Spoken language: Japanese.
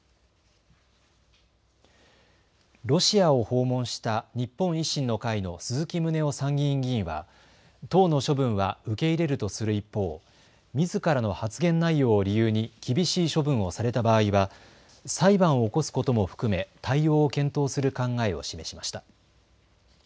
ロシアを訪問した日本維新の会の鈴木宗男参議院議員は党の処分は受け入れるとする一方、みずからの発言内容を理由に厳しい処分をされた場合は裁判を起こすことも含め対応を検討する考えを示しました。